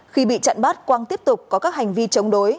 khi bị chặn bắt quang tiếp tục có các hành vi chống đối